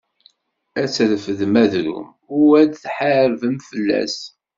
Ad trefdem adrum u ad tḥarbem fell-as.